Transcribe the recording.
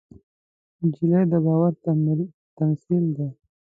نجلۍ د باور تمثیل ده.